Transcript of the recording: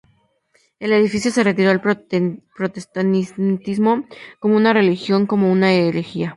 El edicto se refirió al protestantismo como una religión, no como una herejía.